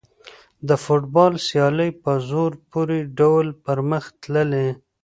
د فوټبال سیالۍ په زړه پورې ډول پرمخ تللې.